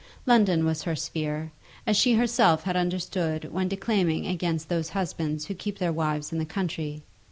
London was her sphere, as she herself had understood when declaiming against those husbands who keep their wives in the country.